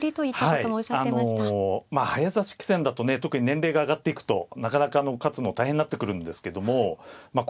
はいあのまあ早指し棋戦だとね特に年齢が上がっていくとなかなか勝つの大変になってくるんですけどもまあ